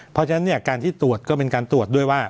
เพราะฉะนั้นการที่ตรวจก็เป็นการตรวจด้วยว่า